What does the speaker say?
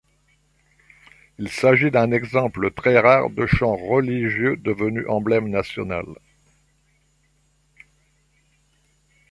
Il s'agit d'un exemple très rare de chant religieux devenu emblème national.